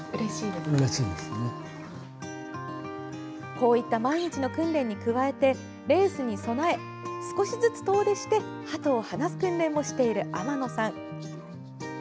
こういった毎日の訓練に加えてレースに備え、少しずつ遠出してはとを放す訓練もしている天野さん。